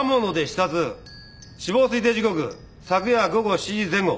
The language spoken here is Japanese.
死亡推定時刻昨夜午後７時前後。